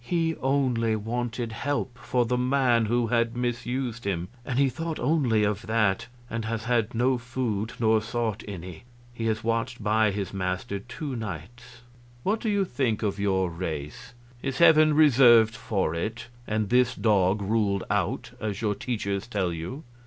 "He only wanted help for the man who had misused him, and he thought only of that, and has had no food nor sought any. He has watched by his master two nights. What do you think of your race? Is heaven reserved for it, and this dog ruled out, as your teachers tell you?